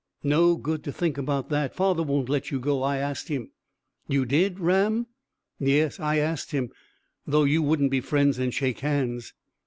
"No good to think about that. Father won't let you go; I asked him." "You did, Ram?" "Yes, I asked him though you wouldn't be friends and shake hands."